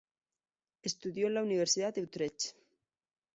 Estudió en la Universidad de Utrecht.